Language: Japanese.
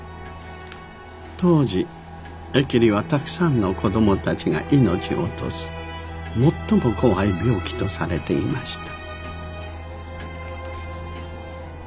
当時疫痢はたくさんの子どもたちが命を落とす最も怖い病気とされていました。